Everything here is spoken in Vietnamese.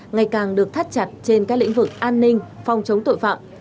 ngày càng được thắt chặt trên các lĩnh vực an ninh phòng chống tội phạm